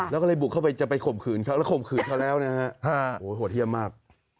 แล้วก็เลยบุกเข้าไปจะไปข่มขืนเขาแล้วข่มขืนเขาแล้วนะฮะโหดเยี่ยมมาก